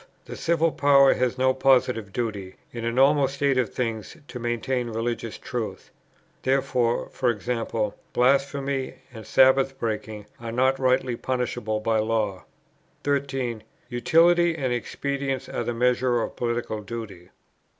The civil power has no positive duty, in a normal state of things, to maintain religious truth. Therefore, e.g. blasphemy and sabbath breaking are not rightly punishable by law. 13. Utility and expedience are the measure of political duty.